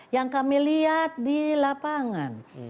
yang kami lihat di lapangan